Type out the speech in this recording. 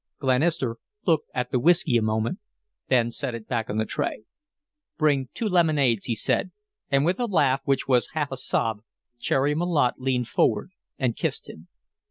Glenister looked at the whiskey a moment, then set it back on the tray. "Bring two lemonades," he said, and with a laugh which was half a sob Cherry Malotte leaned forward and kissed him.